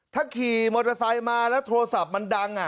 ถ้าขี่มอเตอร์ไซค์มาแล้วโทรศัพท์มันดัง